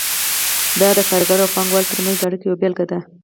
دا د کارګر او پانګه وال ترمنځ د اړیکو یوه بیلګه ده.